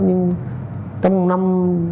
nhưng trong năm